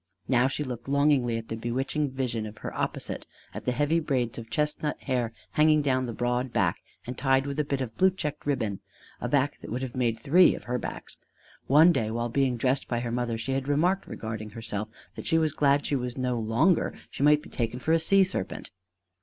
Now she looked longingly at the bewitching vision of her opposite at the heavy braids of chestnut hair hanging down the broad back and tied with a bit of blue checked ribbon a back that would have made three of her backs. One day while being dressed by her mother she had remarked regarding herself that she was glad she was no longer: she might be taken for the sea serpent.